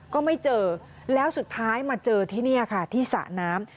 ก็ไม่เจอแล้วสุดท้ายมาเจอที่นี่ค่ะที่สระน้ำ